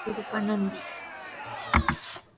che sy rupa nandi